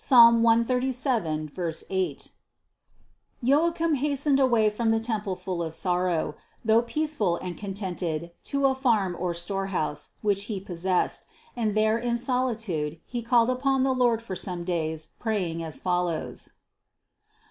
137, 8). Joachim hastened away from the temple full of sorrow, though peaceful and contented, to a farm or storehouse, which he possessed, and there in solitude he called upon the Lord for some days, praying as follows : 175.